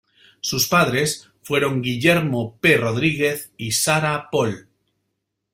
Sus padres fueron Guillermo P. Rodríguez y Sara Pol.